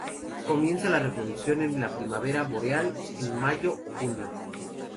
Comienza la reproducción en la primavera boreal, en mayo o junio.